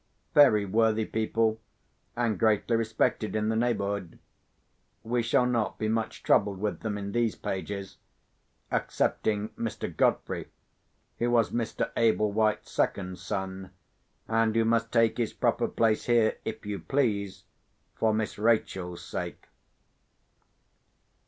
Very worthy people, and greatly respected in the neighbourhood. We shall not be much troubled with them in these pages—excepting Mr. Godfrey, who was Mr. Ablewhite's second son, and who must take his proper place here, if you please, for Miss Rachel's sake.